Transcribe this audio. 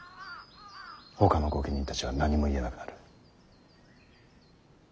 ほかの御家人たちは何も言えなくなる。